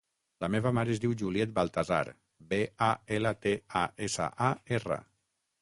La meva mare es diu Juliet Baltasar: be, a, ela, te, a, essa, a, erra.